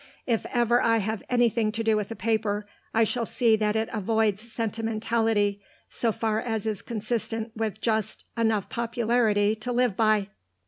If ever I have anything to do with a paper, I shall see that it avoids sentimentality so far as is consistent with just enough popularity to live by."